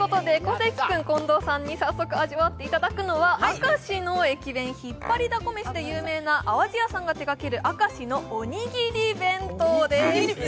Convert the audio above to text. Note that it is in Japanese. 小関君、近藤さんに早速味わっていただくのは、明石の駅伝、ひっぱりだこ飯で有名な淡路屋さんが手がける明石の鬼斬り弁当です。